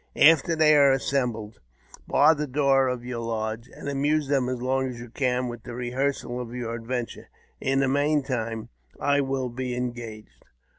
After they are assembled, bar the door of your lodge, and amuse them as long as you can with the rehearsal of your adventures. In the meantime, I will be engaged."